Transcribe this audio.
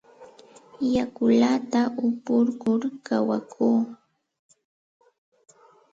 Yakullata upukur kawakuu.